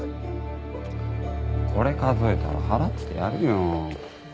これ数えたら払ってやるよ。